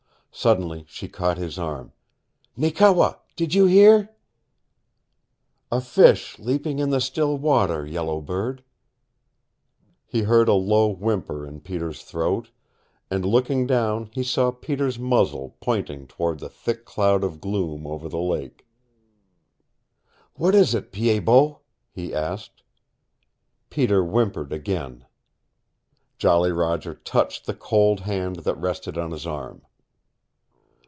Suddenly she caught his arm. "Nee kewa, DID YOU HEAR?" "A fish leaping in the still water, Yellow Bird." He heard a low whimper in Peter's throat, and looking down he saw Peter's muzzle pointing toward the thick cloud of gloom over the lake. "What is it, Pied Bot?" he asked. Peter whimpered again. Jolly Roger touched the cold hand that rested on his arm.